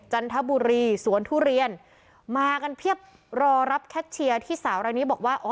จันทบุรีสวนทุเรียนมากันเพียบรอรับแคทเชียร์ที่สาวรายนี้บอกว่าอ๋อ